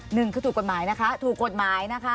หนึ่งคือถูกกฎหมายนะคะถูกกฎหมายนะคะ